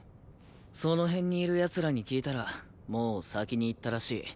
その辺にいる奴らに聞いたらもう先に行ったらしい。